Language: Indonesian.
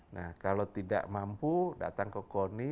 nah kalau tidak mampu datang ke koni